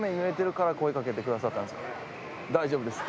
大丈夫です。